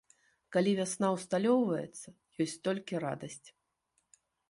Калі вясна ўсталёўваецца, ёсць толькі радасць.